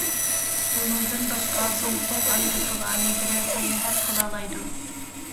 ئۇنىڭدىن باشقا زۇڭتۇڭ ئايروپىلانى بىلەن ساياھەت قىلالايدۇ.